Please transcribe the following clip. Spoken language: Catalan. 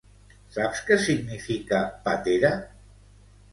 Saps què significa pàtera?